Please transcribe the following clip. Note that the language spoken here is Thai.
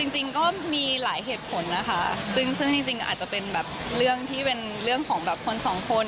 จริงก็มีหลายเหตุผลนะคะซึ่งจริงอาจจะเป็นแบบเรื่องที่เป็นเรื่องของแบบคนสองคน